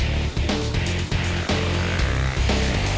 kalian juga bisa calls nya dan